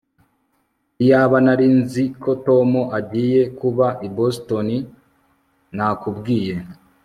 Iyaba nari nzi ko Tom agiye kuba i Boston nakubwiye